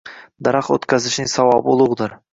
Daraxt o‘tqazishning savobi ulug‘dirng